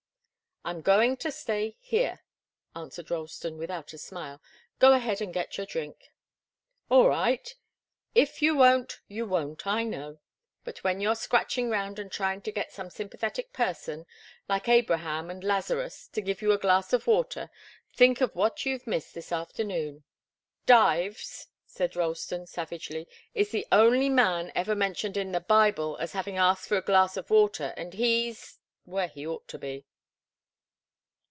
"I'm going to stay here," answered Ralston, without a smile. "Go ahead and get your drink." "All right! If you won't, you won't, I know. But when you're scratching round and trying to get some sympathetic person, like Abraham and Lazarus, to give you a glass of water, think of what you've missed this afternoon!" "Dives," said Ralston, savagely, "is the only man ever mentioned in the Bible as having asked for a glass of water, and he's where he ought to be."